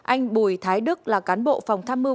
anh bùi thái đức là cán bộ phòng tham mưu